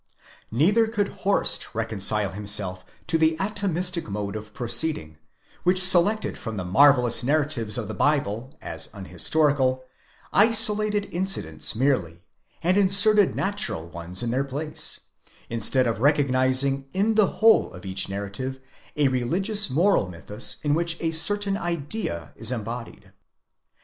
Neither could Horst reconcile himself to the atomistic mode of proceeding, which selected from the marvellous narratives of the Bible, as unhistorical, isolated incidents merely, and inserted natural ones in their place, instead of recognizing in the whole of each narrative a religious moral mythus in which a certain idea is embodied.